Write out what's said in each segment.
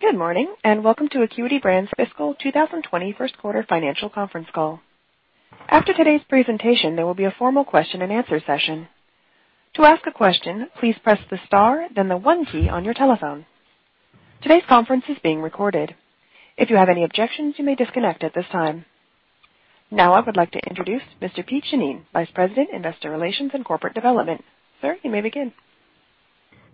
Good morning, and welcome to Acuity Brands' Fiscal 2020 First Quarter Financial Conference call. After today's presentation, there will be a formal question and answer session. To ask a question, please press the star, then the one key on your telephone. Today's conference is being recorded. If you have any objections, you may disconnect at this time. Now, I would like to introduce Mr. Pete Shannin, Vice President, Investor Relations and Corporate Development. Sir, you may begin.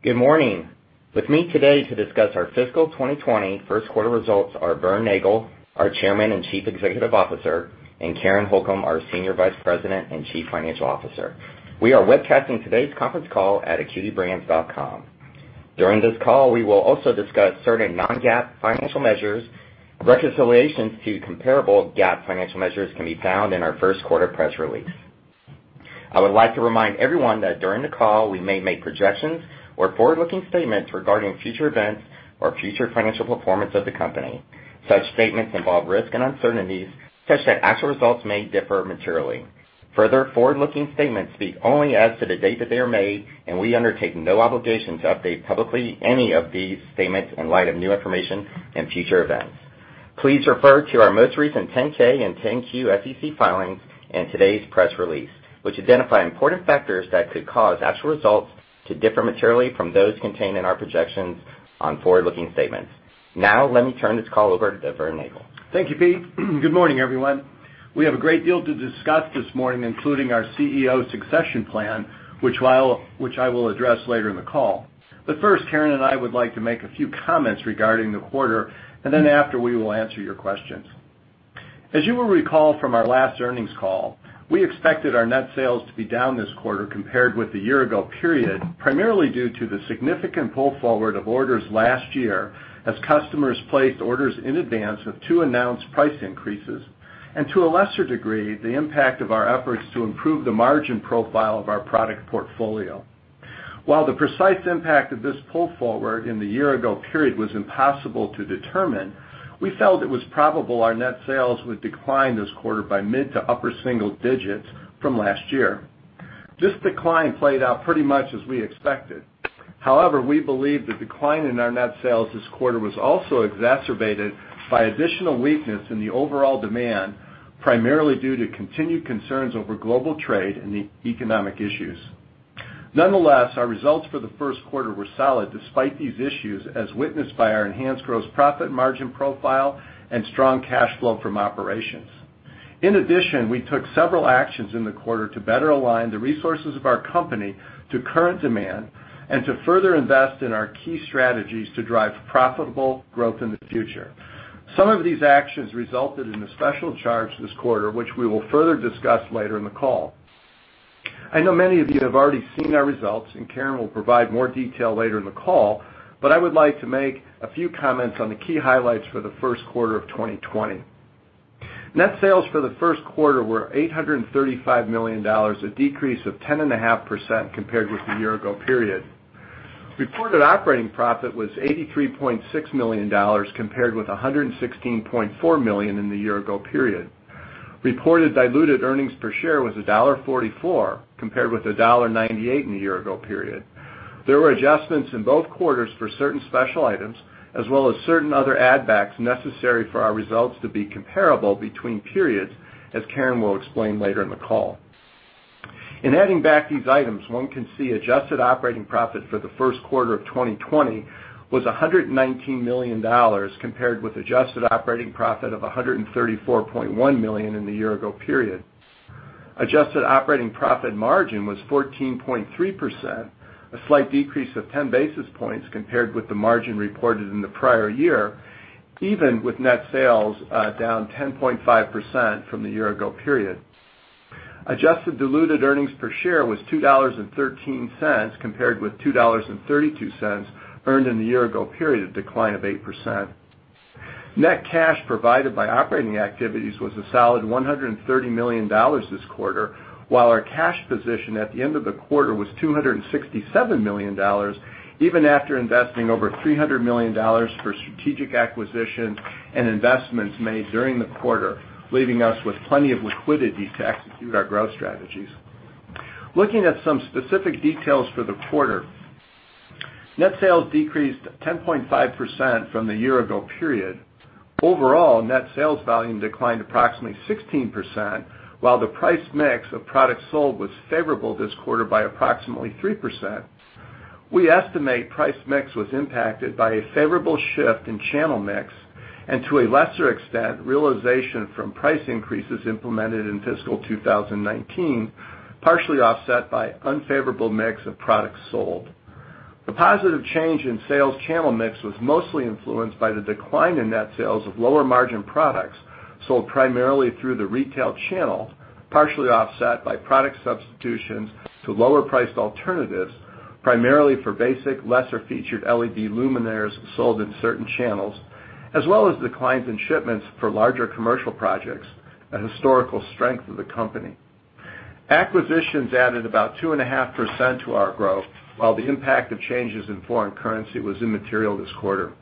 Good morning. With me today to discuss our fiscal 2020 first quarter results are Vernon Nagel, our Chairman and Chief Executive Officer, and Karen Holcom, our Senior Vice President and Chief Financial Officer. We are webcasting today's conference call at acuitybrands.com. During this call, we will also discuss certain Non-GAAP financial measures. Reconciliations to comparable GAAP financial measures can be found in our first quarter press release. I would like to remind everyone that during the call, we may make projections or forward-looking statements regarding future events or future financial performance of the company. Such statements involve risks and uncertainties such that actual results may differ materially. Forward-looking statements speak only as to the date that they are made, and we undertake no obligation to update publicly any of these statements in light of new information and future events. Please refer to our most recent 10-K and 10-Q SEC filings and today's press release, which identify important factors that could cause actual results to differ materially from those contained in our projections on forward-looking statements. Let me turn this call over to Vernon Nagel. Thank you, Pete. Good morning, everyone. We have a great deal to discuss this morning, including our Chief Executive Officer succession plan, which I will address later in the call. First, Karen and I would like to make a few comments regarding the quarter, and then after, we will answer your questions. As you will recall from our last earnings call, we expected our net sales to be down this quarter compared with the year-ago period, primarily due to the significant pull forward of orders last year as customers placed orders in advance of two announced price increases, and to a lesser degree, the impact of our efforts to improve the margin profile of our product portfolio. While the precise impact of this pull forward in the year-ago period was impossible to determine, we felt it was probable our net sales would decline this quarter by mid to upper single digits from last year. This decline played out pretty much as we expected. However, we believe the decline in our net sales this quarter was also exacerbated by additional weakness in the overall demand, primarily due to continued concerns over global trade and the economic issues. Nonetheless, our results for the first quarter were solid despite these issues, as witnessed by our enhanced gross profit margin profile and strong cash flow from operations. In addition, we took several actions in the quarter to better align the resources of our company to current demand and to further invest in our key strategies to drive profitable growth in the future. Some of these actions resulted in a special charge this quarter, which we will further discuss later in the call. I know many of you have already seen our results, and Karen will provide more detail later in the call, but I would like to make a few comments on the key highlights for the first quarter of 2020. Net sales for the first quarter were $835 million, a decrease of 10.5% compared with the year-ago period. Reported operating profit was $83.6 million, compared with $116.4 million in the year-ago period. Reported diluted earnings per share was $1.44, compared with $1.98 in the year-ago period. There were adjustments in both quarters for certain special items, as well as certain other add backs necessary for our results to be comparable between periods, as Karen will explain later in the call. In adding back these items, one can see adjusted operating profit for the first quarter of 2020 was $119 million, compared with adjusted operating profit of $134.1 million in the year-ago period. Adjusted operating profit margin was 14.3%, a slight decrease of 10 basis points compared with the margin reported in the prior year, even with net sales down 10.5% from the year-ago period. Adjusted diluted earnings per share was $2.13, compared with $2.32 earned in the year-ago period, a decline of 8%. Net cash provided by operating activities was a solid $130 million this quarter, while our cash position at the end of the quarter was $267 million, even after investing over $300 million for strategic acquisitions and investments made during the quarter, leaving us with plenty of liquidity to execute our growth strategies. Looking at some specific details for the quarter. Net sales decreased 10.5% from the year-ago period. Overall, net sales volume declined approximately 16%, while the price mix of products sold was favorable this quarter by approximately 3%. We estimate price mix was impacted by a favorable shift in channel mix and, to a lesser extent, realization from price increases implemented in fiscal 2019, partially offset by unfavorable mix of products sold. The positive change in sales channel mix was mostly influenced by the decline in net sales of lower-margin products sold primarily through the retail channel, partially offset by product substitutions to lower-priced alternatives, primarily for basic, lesser-featured LED luminaires sold in certain channels, as well as declines in shipments for larger commercial projects, a historical strength of the company. Acquisitions added about 2.5% to our growth, while the impact of changes in foreign currency was immaterial this quarter.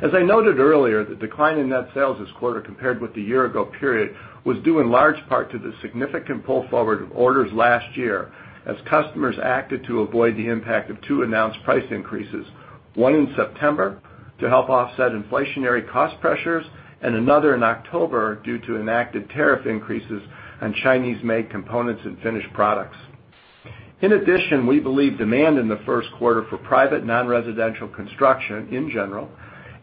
As I noted earlier, the decline in net sales this quarter compared with the year-ago period was due in large part to the significant pull forward of orders last year as customers acted to avoid the impact of two announced price increases, one in September to help offset inflationary cost pressures and another in October due to enacted tariff increases on Chinese-made components and finished products. In addition, we believe demand in the first quarter for private non-residential construction in general,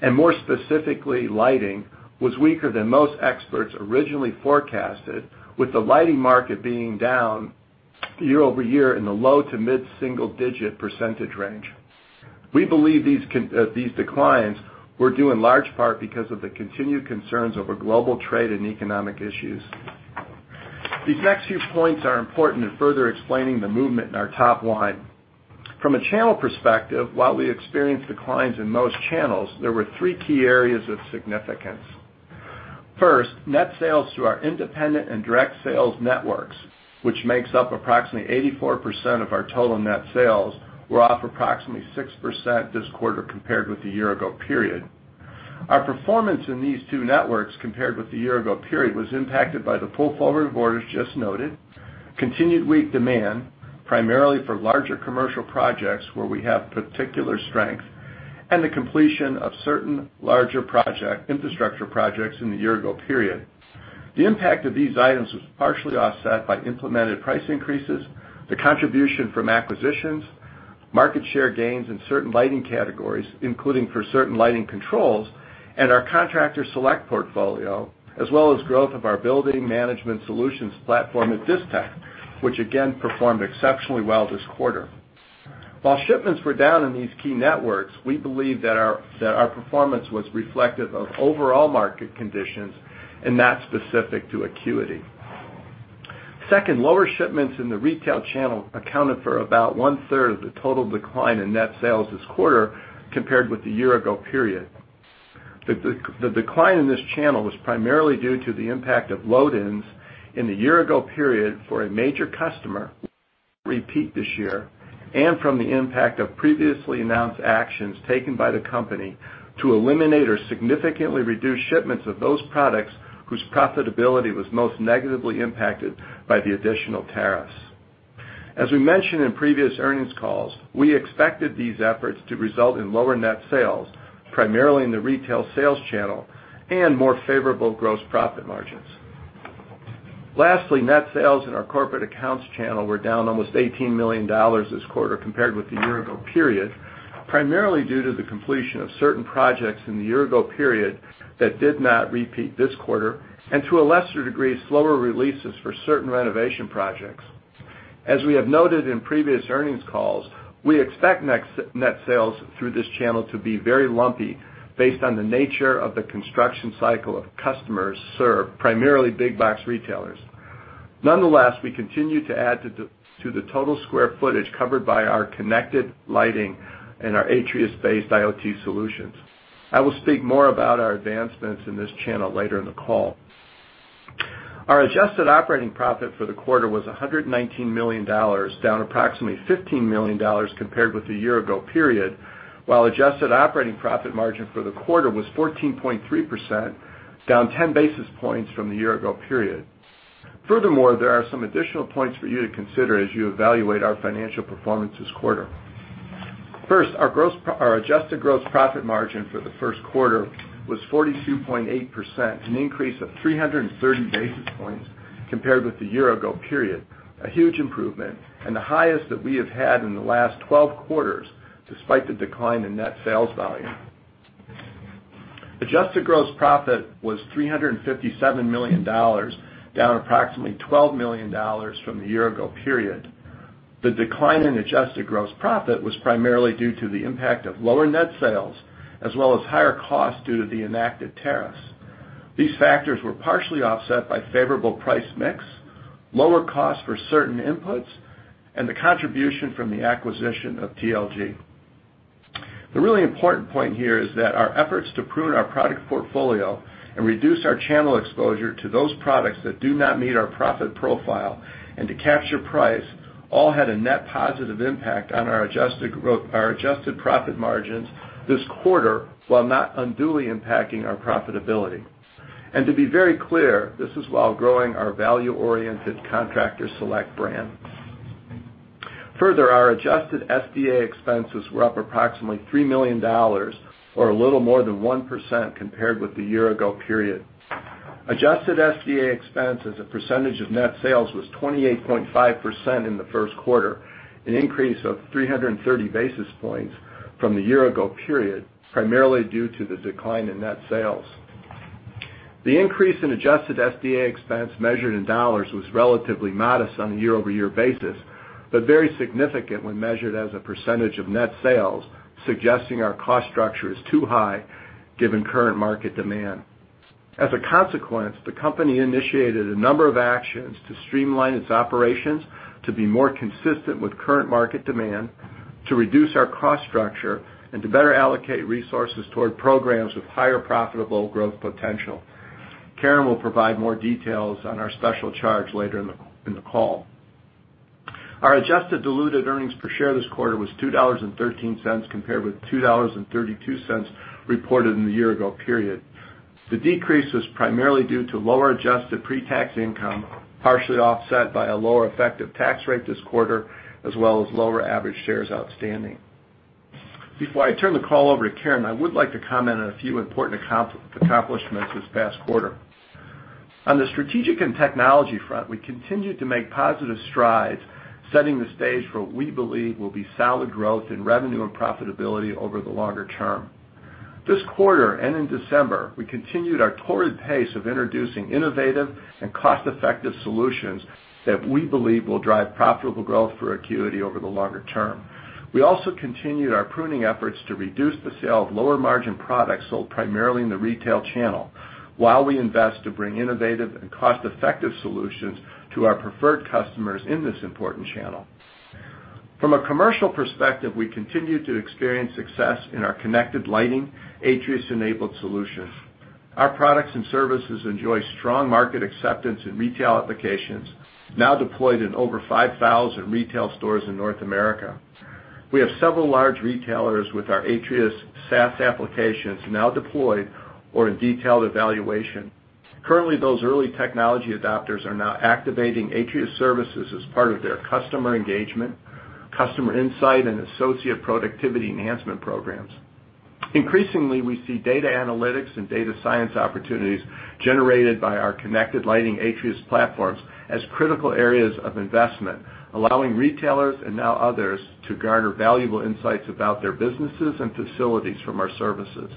and more specifically lighting, was weaker than most experts originally forecasted, with the lighting market being down year over year in the low to mid-single-digit percentage range. We believe these declines were due in large part because of the continued concerns over global trade and economic issues. These next few points are important in further explaining the movement in our top line. From a channel perspective, while we experienced declines in most channels, there were three key areas of significance. First, net sales through our independent and direct sales networks, which makes up approximately 84% of our total net sales, were off approximately 6% this quarter compared with the year-ago period. Our performance in these two networks compared with the year-ago period was impacted by the pull forward of orders just noted, continued weak demand, primarily for larger commercial projects where we have particular strength, and the completion of certain larger infrastructure projects in the year-ago period. The impact of these items was partially offset by implemented price increases, the contribution from acquisitions, market share gains in certain lighting categories, including for certain lighting controls, and our Contractor Select portfolio, as well as growth of our building management solutions platform at Distech, which again performed exceptionally well this quarter. While shipments were down in these key networks, we believe that our performance was reflective of overall market conditions and not specific to Acuity. Second, lower shipments in the retail channel accounted for about 1/3 of the total decline in net sales this quarter compared with the year-ago period. The decline in this channel was primarily due to the impact of load-ins in the year-ago period for a major customer, which did not repeat this year, and from the impact of previously announced actions taken by the company to eliminate or significantly reduce shipments of those products whose profitability was most negatively impacted by the additional tariffs. As we mentioned in previous earnings calls, we expected these efforts to result in lower net sales, primarily in the retail sales channel, and more favorable gross profit margins. Lastly, net sales in our corporate accounts channel were down almost $18 million this quarter compared with the year-ago period, primarily due to the completion of certain projects in the year-ago period that did not repeat this quarter and, to a lesser degree, slower releases for certain renovation projects. As we have noted in previous earnings calls, we expect net sales through this channel to be very lumpy based on the nature of the construction cycle of customers served, primarily big box retailers. Nonetheless, we continue to add to the total square footage covered by our connected lighting and our Atrius-based IoT solutions. I will speak more about our advancements in this channel later in the call. Our adjusted operating profit for the quarter was $119 million, down approximately $15 million compared with the year-ago period, while adjusted operating profit margin for the quarter was 14.3%, down 10 basis points from the year-ago period. Furthermore, there are some additional points for you to consider as you evaluate our financial performance this quarter. Our adjusted gross profit margin for the first quarter was 42.8%, an increase of 330 basis points compared with the year-ago period, a huge improvement and the highest that we have had in the last 12 quarters, despite the decline in net sales volume. Adjusted gross profit was $357 million, down approximately $12 million from the year-ago period. The decline in adjusted gross profit was primarily due to the impact of lower net sales as well as higher costs due to the enacted tariffs. These factors were partially offset by favorable price mix, lower costs for certain inputs, and the contribution from the acquisition of TLG. The really important point here is that our efforts to prune our product portfolio and reduce our channel exposure to those products that do not meet our profit profile and to capture price all had a net positive impact on our adjusted profit margins this quarter, while not unduly impacting our profitability. To be very clear, this is while growing our value-oriented Contractor Select brand. Our adjusted SD&A expenses were up approximately $3 million, or a little more than 1% compared with the year-ago period. Adjusted SD&A expense as a percentage of net sales was 28.5% in the first quarter, an increase of 330 basis points from the year-ago period, primarily due to the decline in net sales. The increase in adjusted SD&A expense measured in dollars was relatively modest on a year-over-year basis, but very significant when measured as a percentage of net sales, suggesting our cost structure is too high given current market demand. As a consequence, the company initiated a number of actions to streamline its operations to be more consistent with current market demand, to reduce our cost structure, and to better allocate resources toward programs with higher profitable growth potential. Karen will provide more details on our special charge later in the call. Our adjusted diluted earnings per share this quarter was $2.13, compared with $2.32 reported in the year-ago period. The decrease was primarily due to lower adjusted pre-tax income, partially offset by a lower effective tax rate this quarter, as well as lower average shares outstanding. Before I turn the call over to Karen, I would like to comment on a few important accomplishments this past quarter. On the strategic and technology front, we continued to make positive strides, setting the stage for what we believe will be solid growth in revenue and profitability over the longer term. This quarter and in December, we continued our torrid pace of introducing innovative and cost-effective solutions that we believe will drive profitable growth for Acuity over the longer term. We also continued our pruning efforts to reduce the sale of lower-margin products sold primarily in the retail channel while we invest to bring innovative and cost-effective solutions to our preferred customers in this important channel. From a commercial perspective, we continued to experience success in our connected lighting Atrius-enabled solution. Our products and services enjoy strong market acceptance in retail applications, now deployed in over 5,000 retail stores in North America. We have several large retailers with our Atrius SaaS applications now deployed or in detailed evaluation. Currently, those early technology adopters are now activating Atrius services as part of their customer engagement, customer insight, and associate productivity enhancement programs. Increasingly, we see data analytics and data science opportunities generated by our connected lighting Atrius platforms as critical areas of investment, allowing retailers and now others to garner valuable insights about their businesses and facilities from our services.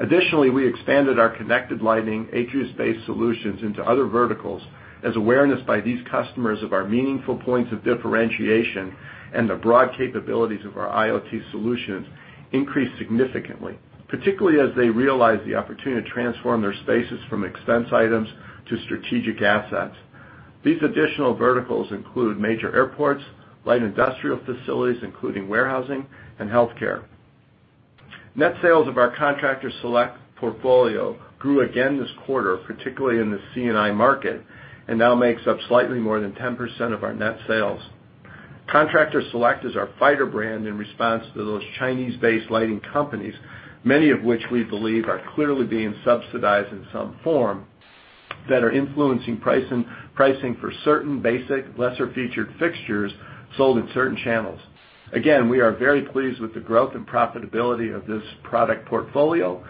Additionally, we expanded our connected lighting Atrius-based solutions into other verticals as awareness by these customers of our meaningful points of differentiation and the broad capabilities of our IoT solutions increased significantly. Particularly as they realize the opportunity to transform their spaces from expense items to strategic assets. These additional verticals include major airports, light industrial facilities, including warehousing and healthcare. Net sales of our Contractor Select portfolio grew again this quarter, particularly in the C&I market, and now makes up slightly more than 10% of our net sales. Contractor Select is our fighter brand in response to those Chinese-based lighting companies, many of which we believe are clearly being subsidized in some form, that are influencing pricing for certain basic, lesser-featured fixtures sold in certain channels. We are very pleased with the growth and profitability of this product portfolio,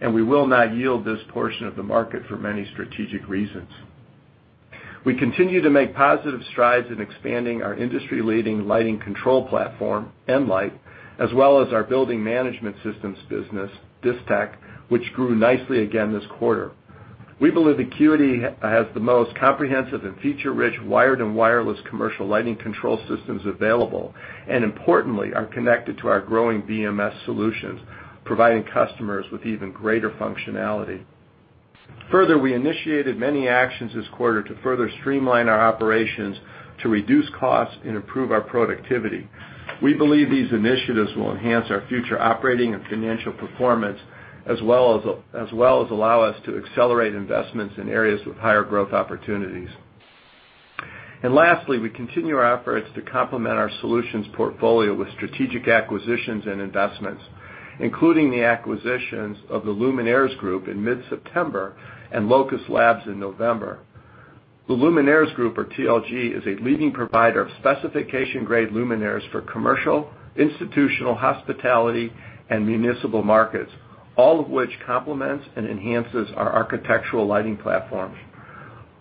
and we will not yield this portion of the market for many strategic reasons. We continue to make positive strides in expanding our industry-leading lighting control platform, nLight, as well as our building management systems business, Distech, which grew nicely again this quarter. We believe Acuity has the most comprehensive and feature-rich wired and wireless commercial lighting control systems available, and importantly, are connected to our growing BMS solutions, providing customers with even greater functionality. Further, we initiated many actions this quarter to further streamline our operations to reduce costs and improve our productivity. We believe these initiatives will enhance our future operating and financial performance, as well as allow us to accelerate investments in areas with higher growth opportunities. Lastly, we continue our efforts to complement our solutions portfolio with strategic acquisitions and investments, including the acquisitions of The Luminaires Group in mid-September and LocusLabs in November. The Luminaires Group, or TLG, is a leading provider of specification-grade luminaires for commercial, institutional, hospitality, and municipal markets, all of which complements and enhances our architectural lighting platforms.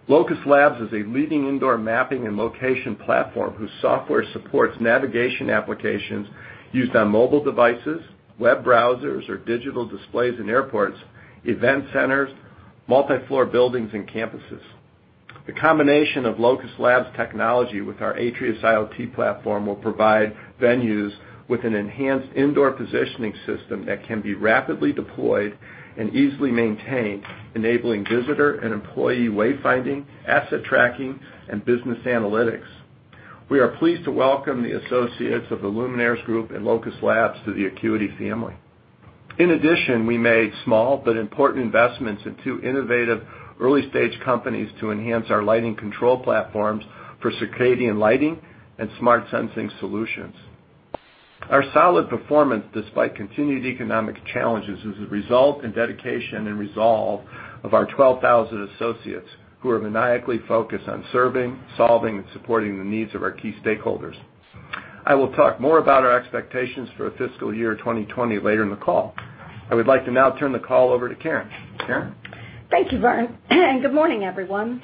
LocusLabs is a leading indoor mapping and location platform whose software supports navigation applications used on mobile devices, web browsers, or digital displays in airports, event centers, multi-floor buildings, and campuses. The combination of LocusLabs technology with our Atrius IoT platform will provide venues with an enhanced indoor positioning system that can be rapidly deployed and easily maintained, enabling visitor and employee wayfinding, asset tracking, and business analytics. We are pleased to welcome the associates of the Luminaires Group and LocusLabs to the Acuity family. In addition, we made small but important investments in two innovative early-stage companies to enhance our lighting control platforms for circadian lighting and smart sensing solutions. Our solid performance, despite continued economic challenges, is a result in dedication and resolve of our 12,000 associates who are maniacally focused on serving, solving, and supporting the needs of our key stakeholders. I will talk more about our expectations for fiscal year 2020 later in the call. I would like to now turn the call over to Karen. Karen? Thank you, Vernon. Good morning, everyone.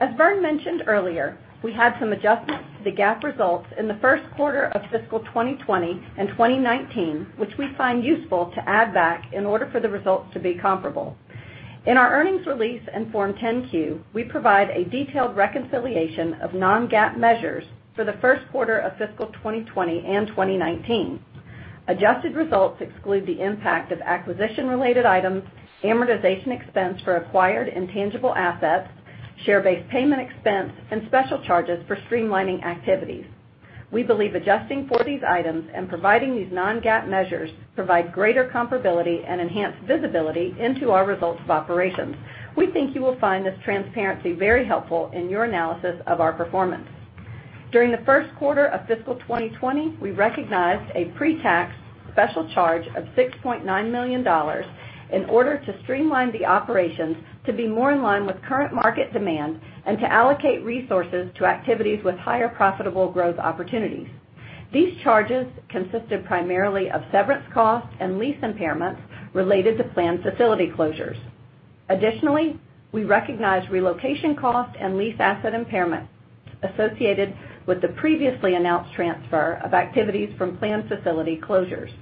As Vernon mentioned earlier, we had some adjustments to the GAAP results in the first quarter of fiscal 2020 and 2019, which we find useful to add back in order for the results to be comparable. In our earnings release in Form 10-Q, we provide a detailed reconciliation of Non-GAAP measures for the first quarter of fiscal 2020 and 2019. Adjusted results exclude the impact of acquisition-related items, amortization expense for acquired intangible assets, share-based payment expense, and special charges for streamlining activities. We believe adjusting for these items and providing these Non-GAAP measures provide greater comparability and enhanced visibility into our results of operations. We think you will find this transparency very helpful in your analysis of our performance. During the first quarter of fiscal 2020, we recognized a pre-tax special charge of $6.9 million in order to streamline the operations to be more in line with current market demand and to allocate resources to activities with higher profitable growth opportunities. These charges consisted primarily of severance costs and lease impairments related to planned facility closures. Additionally, we recognized relocation costs and lease asset impairments associated with the previously announced transfer of activities from planned facility closures.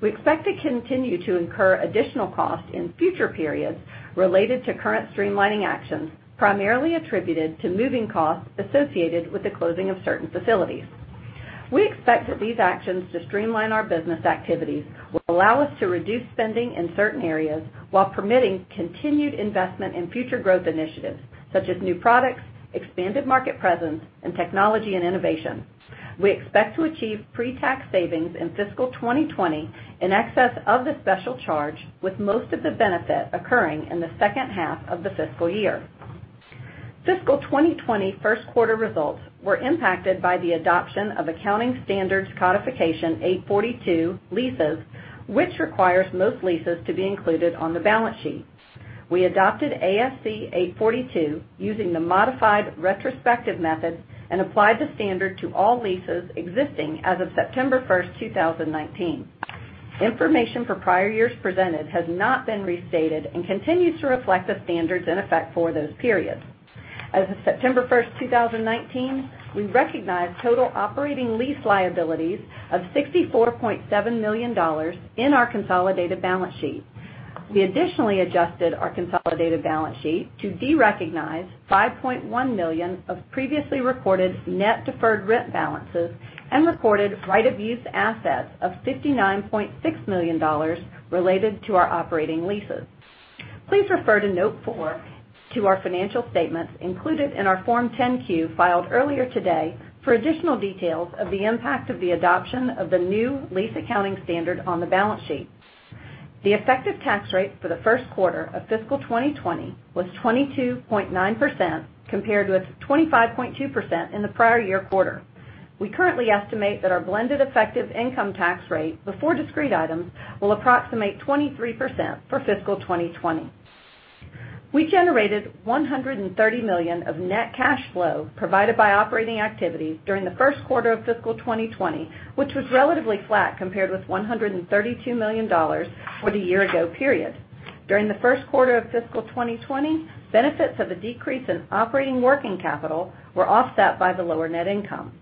We expect to continue to incur additional costs in future periods related to current streamlining actions, primarily attributed to moving costs associated with the closing of certain facilities. We expect that these actions to streamline our business activities will allow us to reduce spending in certain areas while permitting continued investment in future growth initiatives such as new products, expanded market presence, and technology and innovation. We expect to achieve pre-tax savings in fiscal 2020 in excess of the special charge, with most of the benefit occurring in the second half of the fiscal year. Fiscal 2020 first quarter results were impacted by the adoption of Accounting Standards Codification Topic 842 leases, which requires most leases to be included on the balance sheet. We adopted ASC 842 using the modified retrospective method and applied the standard to all leases existing as of September 1st, 2019. Information for prior years presented has not been restated and continues to reflect the standards in effect for those periods. As of September 1st, 2019, we recognized total operating lease liabilities of $64.7 million in our consolidated balance sheet. We additionally adjusted our consolidated balance sheet to derecognize $5.1 million of previously recorded net deferred rent balances and recorded right-of-use assets of $59.6 million related to our operating leases. Please refer to Note 4 to our financial statements included in our Form 10-Q filed earlier today for additional details of the impact of the adoption of the new lease accounting standard on the balance sheet. The effective tax rate for the first quarter of fiscal 2020 was 22.9%, compared with 25.2% in the prior year quarter. We currently estimate that our blended effective income tax rate before discrete items will approximate 23% for fiscal 2020. We generated $130 million of net cash flow provided by operating activities during the first quarter of fiscal 2020, which was relatively flat compared with $132 million for the year ago period. During the first quarter of fiscal 2020, benefits of a decrease in operating working capital were offset by the lower net income.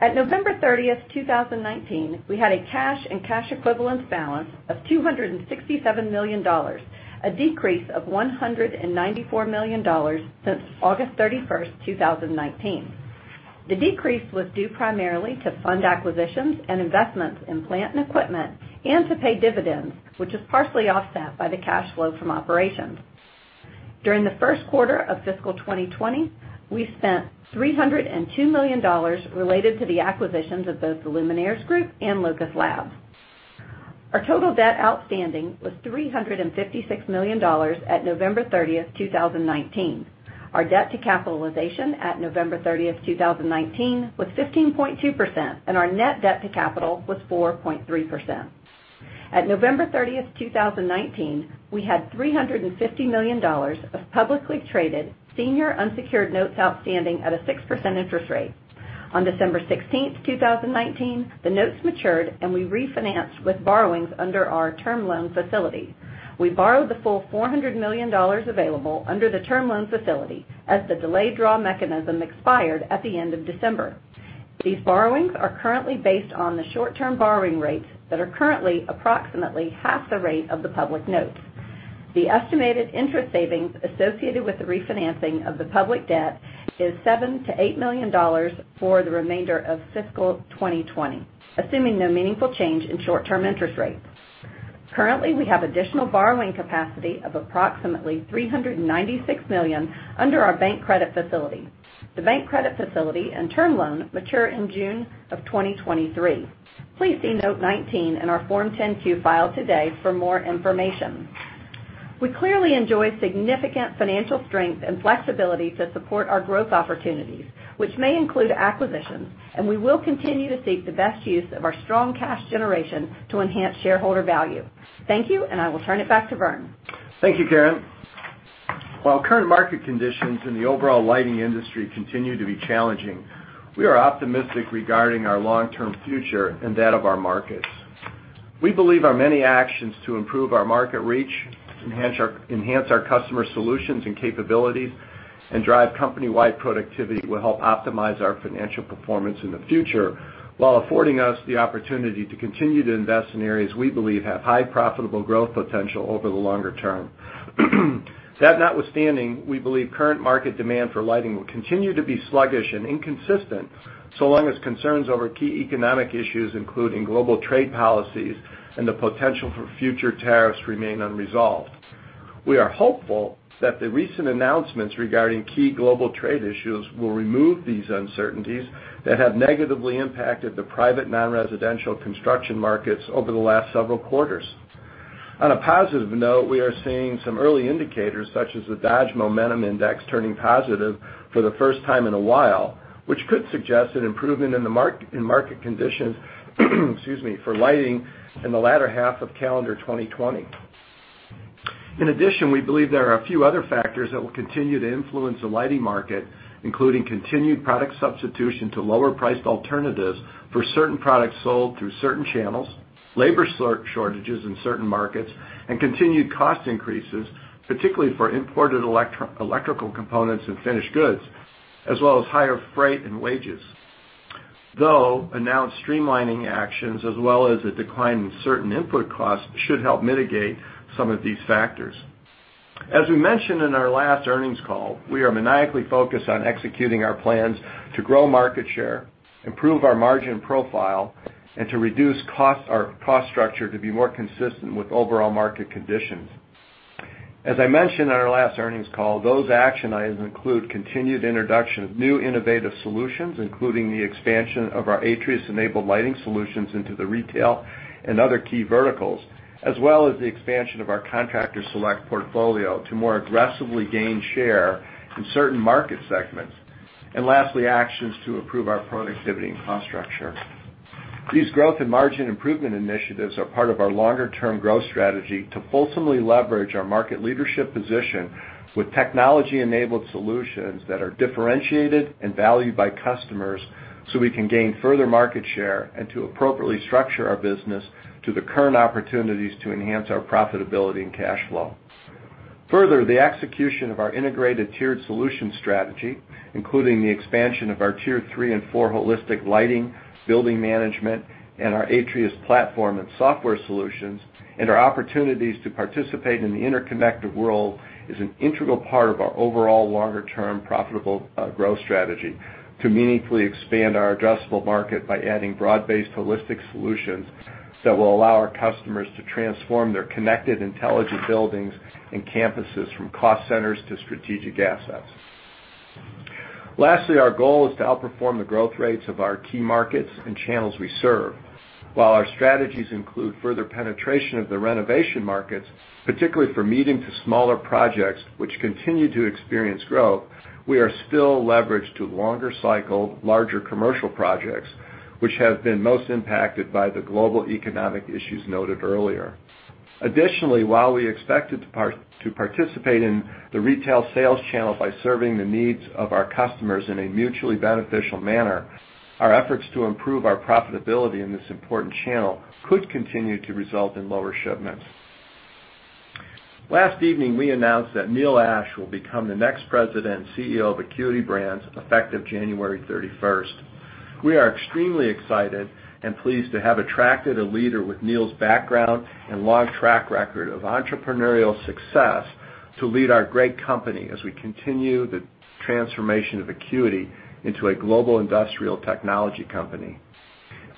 At November 30th, 2019, we had a cash and cash equivalents balance of $267 million, a decrease of $194 million since August 31st, 2019. The decrease was due primarily to fund acquisitions and investments in plant and equipment, and to pay dividends, which is partially offset by the cash flow from operations. During the first quarter of fiscal 2020, we spent $302 million related to the acquisitions of both The Luminaires Group and LocusLabs. Our total debt outstanding was $356 million at November 30th, 2019. Our debt to capitalization at November 30th, 2019 was 15.2%, and our net debt to capital was 4.3%. At November 30th, 2019, we had $350 million of publicly traded senior unsecured notes outstanding at a 6% interest rate. On December 16th, 2019, the notes matured, and we refinanced with borrowings under our term loan facility. We borrowed the full $400 million available under the term loan facility as the delayed draw mechanism expired at the end of December. These borrowings are currently based on the short-term borrowing rates that are currently approximately half the rate of the public notes. The estimated interest savings associated with the refinancing of the public debt is $7 million-$8 million for the remainder of fiscal 2020, assuming no meaningful change in short-term interest rates. Currently, we have additional borrowing capacity of approximately $396 million under our bank credit facility. The bank credit facility and term loan mature in June of 2023. Please see Note 19 in our Form 10-Q filed today for more information. We clearly enjoy significant financial strength and flexibility to support our growth opportunities, which may include acquisitions, and we will continue to seek the best use of our strong cash generation to enhance shareholder value. Thank you. I will turn it back to Vernon. Thank you, Karen. While current market conditions in the overall lighting industry continue to be challenging, we are optimistic regarding our long-term future and that of our markets. We believe our many actions to improve our market reach, enhance our customer solutions and capabilities, and drive company-wide productivity will help optimize our financial performance in the future while affording us the opportunity to continue to invest in areas we believe have high profitable growth potential over the longer term. That notwithstanding, we believe current market demand for lighting will continue to be sluggish and inconsistent so long as concerns over key economic issues, including global trade policies and the potential for future tariffs remain unresolved. We are hopeful that the recent announcements regarding key global trade issues will remove these uncertainties that have negatively impacted the private non-residential construction markets over the last several quarters. On a positive note, we are seeing some early indicators, such as the Dodge Momentum Index turning positive for the first time in a while, which could suggest an improvement in market conditions for lighting in the latter half of calendar 2020. We believe there are a few other factors that will continue to influence the lighting market, including continued product substitution to lower priced alternatives for certain products sold through certain channels, labor shortages in certain markets, and continued cost increases, particularly for imported electrical components and finished goods, as well as higher freight and wages. Announced streamlining actions as well as a decline in certain input costs should help mitigate some of these factors. As we mentioned in our last earnings call, we are maniacally focused on executing our plans to grow market share, improve our margin profile, and to reduce our cost structure to be more consistent with overall market conditions. As I mentioned on our last earnings call, those action items include continued introduction of new innovative solutions, including the expansion of our Atrius-enabled lighting solutions into the retail and other key verticals, as well as the expansion of our Contractor Select portfolio to more aggressively gain share in certain market segments. Lastly, actions to improve our productivity and cost structure. These growth and margin improvement initiatives are part of our longer-term growth strategy to fulsomely leverage our market leadership position with technology-enabled solutions that are differentiated and valued by customers, so we can gain further market share and to appropriately structure our business to the current opportunities to enhance our profitability and cash flow. Further, the execution of our integrated tiered solution strategy, including the expansion of our tier 3 and 4 holistic lighting, building management, and our Atrius platform and software solutions, and our opportunities to participate in the interconnected world, is an integral part of our overall longer-term profitable growth strategy to meaningfully expand our addressable market by adding broad-based holistic solutions that will allow our customers to transform their connected intelligent buildings and campuses from cost centers to strategic assets. Lastly, our goal is to outperform the growth rates of our key markets and channels we serve. While our strategies include further penetration of the renovation markets, particularly for mid- to smaller projects which continue to experience growth, we are still leveraged to longer cycle, larger commercial projects, which have been most impacted by the global economic issues noted earlier. While we expected to participate in the retail sales channel by serving the needs of our customers in a mutually beneficial manner, our efforts to improve our profitability in this important channel could continue to result in lower shipments. Last evening, we announced that Neil Ashe will become the next President and Chief Executive Officer of Acuity Brands effective January 31st. We are extremely excited and pleased to have attracted a leader with Neil's background and long track record of entrepreneurial success to lead our great company as we continue the transformation of Acuity into a global industrial technology company.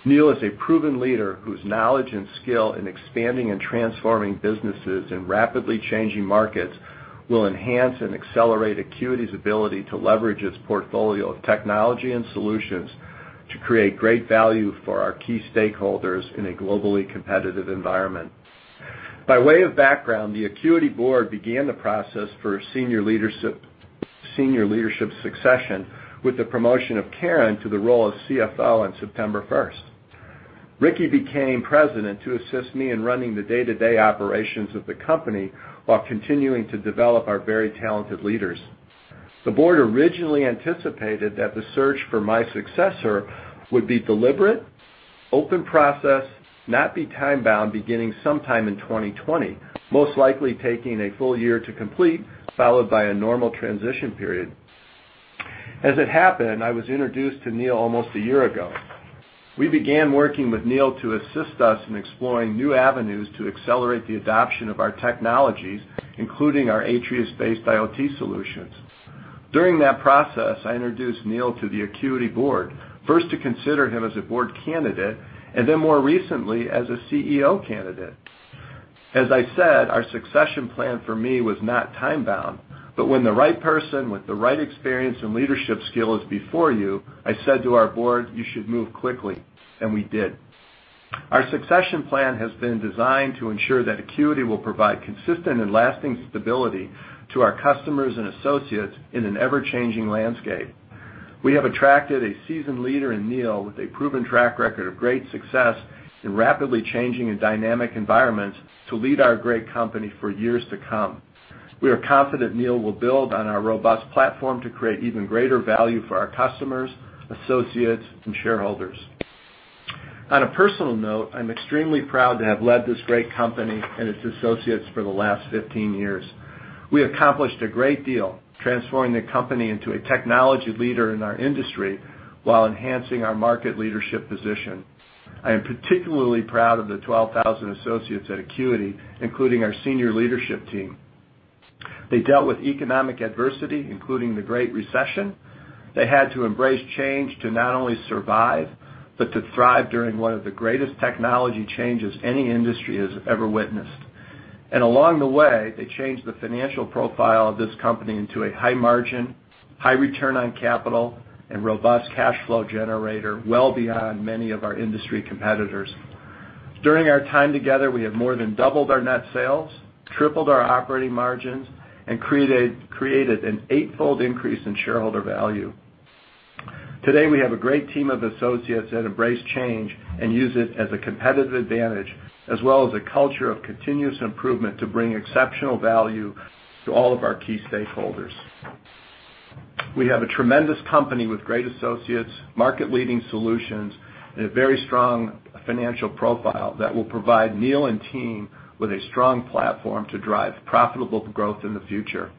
Neil is a proven leader whose knowledge and skill in expanding and transforming businesses in rapidly changing markets will enhance and accelerate Acuity's ability to leverage its portfolio of technology and solutions to create great value for our key stakeholders in a globally competitive environment. By way of background, the Acuity board began the process for senior leadership succession with the promotion of Karen to the role of Chief Financial Officer on September 1st. Ricky became president to assist me in running the day-to-day operations of the company while continuing to develop our very talented leaders. The board originally anticipated that the search for my successor would be deliberate, open process, not be time bound, beginning sometime in 2020, most likely taking a full year to complete, followed by a normal transition period. As it happened, I was introduced to Neil almost a year ago. We began working with Neil to assist us in exploring new avenues to accelerate the adoption of our technologies, including our Atrius-based IoT solutions. During that process, I introduced Neil to the Acuity board, first to consider him as a board candidate, and then more recently as a Chief Executive Officer candidate. As I said, our succession plan for me was not time bound, but when the right person with the right experience and leadership skill is before you, I said to our board, "You should move quickly." We did. Our succession plan has been designed to ensure that Acuity will provide consistent and lasting stability to our customers and associates in an ever-changing landscape. We have attracted a seasoned leader in Neil with a proven track record of great success in rapidly changing and dynamic environments to lead our great company for years to come. We are confident Neil will build on our robust platform to create even greater value for our customers, associates, and shareholders. On a personal note, I'm extremely proud to have led this great company and its associates for the last 15 years. We accomplished a great deal transforming the company into a technology leader in our industry while enhancing our market leadership position. I am particularly proud of the 12,000 associates at Acuity, including our senior leadership team. They dealt with economic adversity, including the Great Recession. They had to embrace change to not only survive but to thrive during one of the greatest technology changes any industry has ever witnessed. Along the way, they changed the financial profile of this company into a high margin, high return on capital, and robust cash flow generator well beyond many of our industry competitors. During our time together, we have more than doubled our net sales, tripled our operating margins, and created an eightfold increase in shareholder value. Today, we have a great team of associates that embrace change and use it as a competitive advantage as well as a culture of continuous improvement to bring exceptional value to all of our key stakeholders. We have a tremendous company with great associates, market-leading solutions, and a very strong financial profile that will provide Neil and team with a strong platform to drive profitable growth in the future.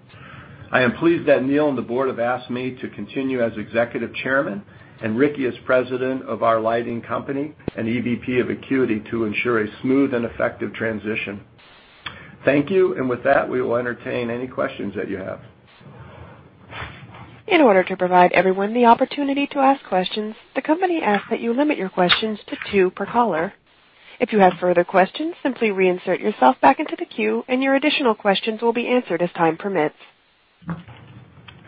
I am pleased that Neil and the board have asked me to continue as Executive Chairman and Ricky as President of our lighting company and EVP of Acuity to ensure a smooth and effective transition. Thank you. With that, we will entertain any questions that you have. In order to provide everyone the opportunity to ask questions, the company asks that you limit your questions to two per caller. If you have further questions, simply reinsert yourself back into the queue, and your additional questions will be answered as time permits.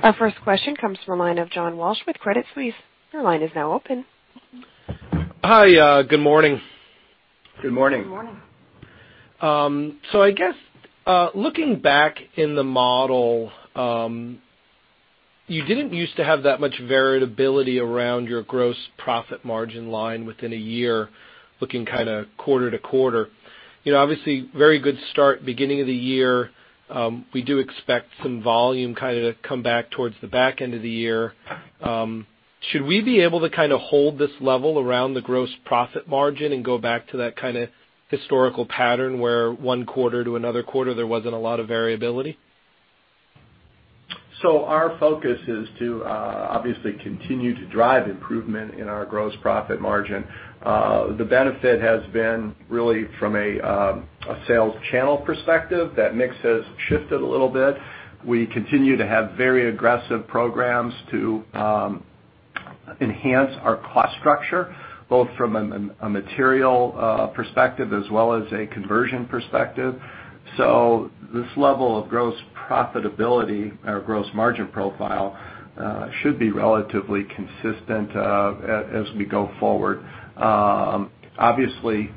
Our first question comes from the line of John Walsh with Credit Suisse. Your line is now open. Hi. Good morning. Good morning. Good morning. I guess, looking back in the model, you didn't used to have that much variability around your gross profit margin line within a year looking quarter-to-quarter? Obviously, very good start beginning of the year. We do expect some volume to come back towards the back end of the year. Should we be able to hold this level around the gross profit margin and go back to that historical pattern where one quarter to another quarter, there wasn't a lot of variability? Our focus is to, obviously, continue to drive improvement in our gross profit margin. The benefit has been really from a sales channel perspective. That mix has shifted a little bit. We continue to have very aggressive programs to enhance our cost structure, both from a material perspective as well as a conversion perspective. This level of gross profitability or gross margin profile should be relatively consistent as we go forward. Obviously,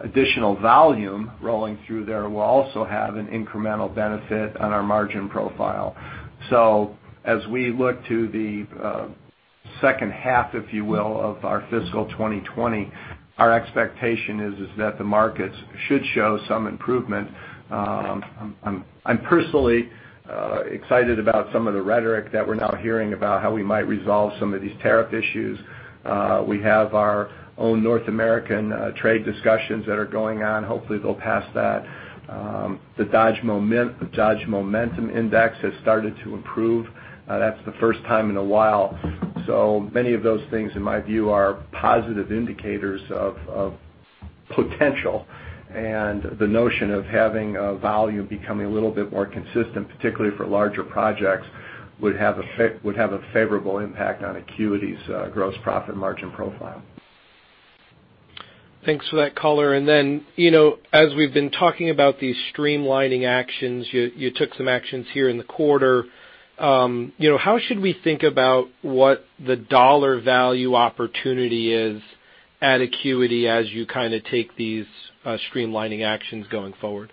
additional volume rolling through there will also have an incremental benefit on our margin profile. As we look to the second half, if you will, of our fiscal 2020, our expectation is that the markets should show some improvement. I'm personally excited about some of the rhetoric that we're now hearing about how we might resolve some of these tariff issues. We have our own North American trade discussions that are going on. Hopefully, they'll pass that. The Dodge Momentum Index has started to improve. That's the first time in a while. Many of those things, in my view, are positive indicators of potential. The notion of having volume becoming a little bit more consistent, particularly for larger projects, would have a favorable impact on Acuity's gross profit margin profile. Thanks for that color. As we've been talking about these streamlining actions, you took some actions here in the quarter. How should we think about what the dollar value opportunity is at Acuity as you take these streamlining actions going forward?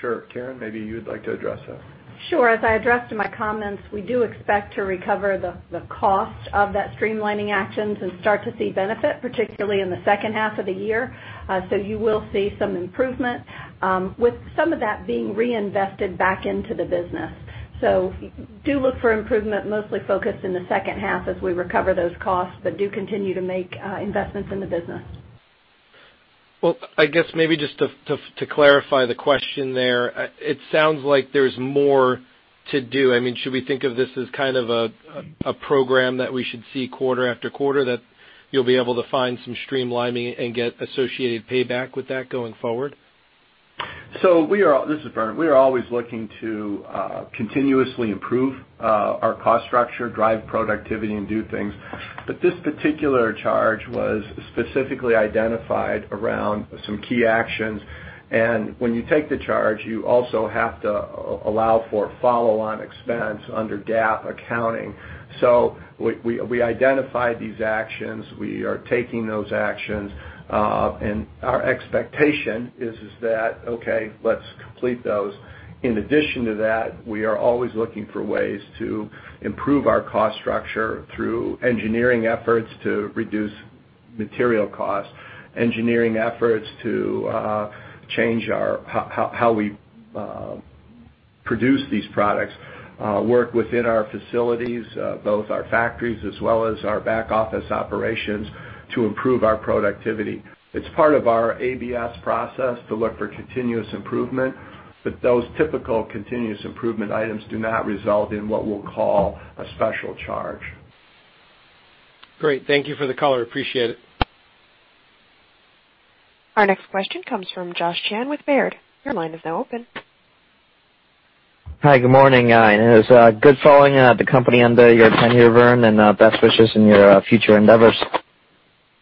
Sure. Karen, maybe you'd like to address that. Sure. As I addressed in my comments, we do expect to recover the cost of that streamlining actions and start to see benefit, particularly in the second half of the year. You will see some improvement with some of that being reinvested back into the business. Do look for improvement, mostly focused in the second half as we recover those costs, but do continue to make investments in the business. Well, I guess maybe just to clarify the question there, it sounds like there's more to do. Should we think of this as a program that we should see quarter after quarter, that you'll be able to find some streamlining and get associated payback with that going forward? This is Vernon. We are always looking to continuously improve our cost structure, drive productivity, and do things. This particular charge was specifically identified around some key actions, and when you take the charge, you also have to allow for follow-on expense under GAAP accounting. We identified these actions. We are taking those actions. Our expectation is that, okay, let's complete those. In addition to that, we are always looking for ways to improve our cost structure through engineering efforts to reduce material costs, engineering efforts to change how we produce these products, work within our facilities, both our factories as well as our back-office operations to improve our productivity. It's part of our ABS process to look for continuous improvement, but those typical continuous improvement items do not result in what we'll call a special charge. Great. Thank you for the color. Appreciate it. Our next question comes from Joshua Kai Shun Chan. Your line is now open. Hi, good morning. It is good following the company on your tenure, Vernon, and best wishes in your future endeavors.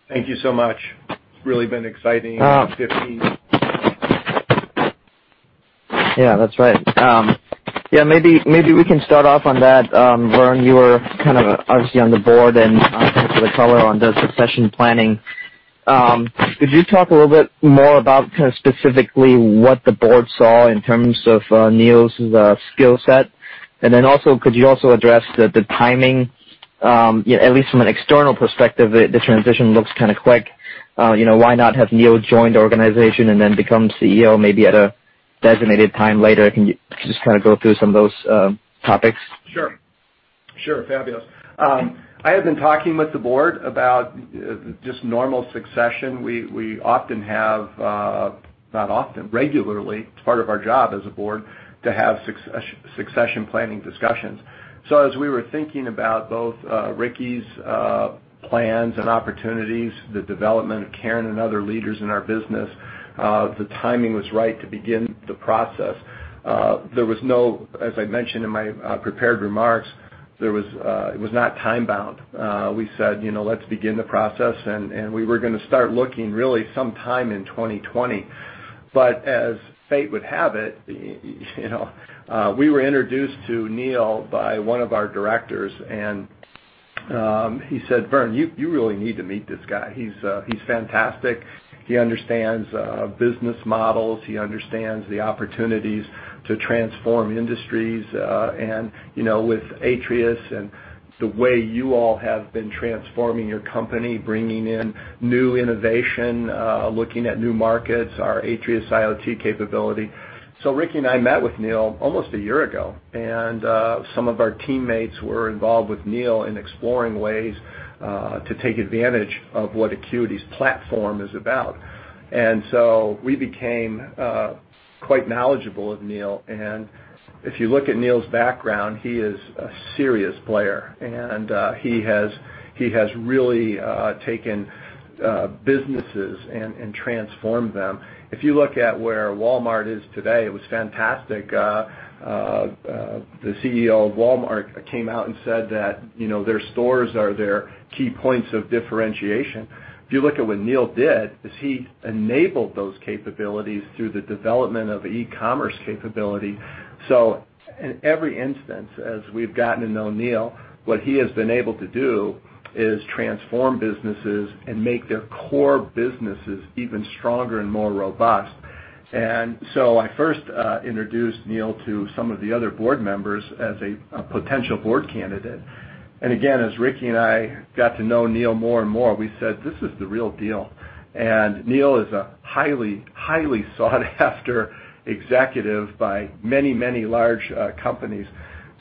Thank you so much. It's really been exciting, 15 years. Yeah, that's right. Maybe we can start off on that. Vernon, you were obviously on the board. Thanks for the color on the succession planning. Could you talk a little bit more about specifically what the board saw in terms of Neil's skillset? Could you also address the timing? At least from an external perspective, the transition looks kind of quick. Why not have Neil join the organization and then become Chief Executive Officer maybe at a designated time later? Can you just go through some of those topics? Sure. Fabulous. I had been talking with the board about just normal succession. We often have, not often, regularly, it's part of our job as a board to have succession planning discussions. As we were thinking about both Ricky's plans and opportunities, the development of Karen and other leaders in our business, the timing was right to begin the process. There was no, as I mentioned in my prepared remarks, it was not time-bound. We said, "Let's begin the process." We were going to start looking really sometime in 2020. As fate would have it, we were introduced to Neil by one of our directors, and he said, "Vernon, you really need to meet this guy. He's fantastic. He understands business models. He understands the opportunities to transform industries. With Atrius and the way you all have been transforming your company, bringing in new innovation, looking at new markets, our Atrius IoT capability. Ricky and I met with Neil almost a year ago, and some of our teammates were involved with Neil in exploring ways to take advantage of what Acuity's platform is about. We became quite knowledgeable of Neil. If you look at Neil's background, he is a serious player, and he has really taken businesses and transformed them. If you look at where Walmart is today, it was fantastic. The Chief Executive Officer of Walmart came out and said that their stores are their key points of differentiation. If you look at what Neil did, is he enabled those capabilities through the development of e-commerce capability. In every instance, as we've gotten to know Neil, what he has been able to do is transform businesses and make their core businesses even stronger and more robust. I first introduced Neil to some of the other board members as a potential board candidate. Again, as Ricky and I got to know Neil more and more, we said, "This is the real deal." Neil is a highly sought after executive by many large companies.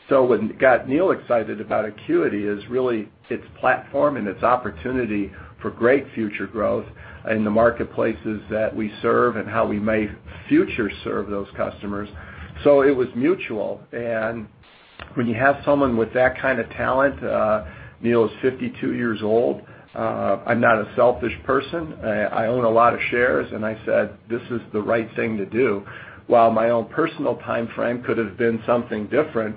What got Neil excited about Acuity Brands is really its platform and its opportunity for great future growth in the marketplaces that we serve and how we may future-serve those customers. It was mutual. When you have someone with that kind of talent, Neil is 52 years old. I'm not a selfish person. I own a lot of shares, and I said, "This is the right thing to do." While my own personal timeframe could have been something different,